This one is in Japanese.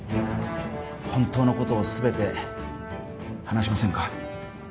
本当のことをすべて話しませんか？